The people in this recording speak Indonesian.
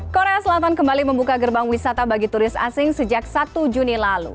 korea selatan kembali membuka gerbang wisata bagi turis asing sejak satu juni lalu